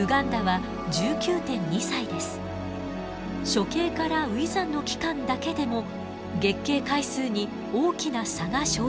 初経から初産の期間だけでも月経回数に大きな差が生じるのです。